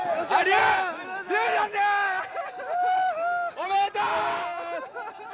おめでとう。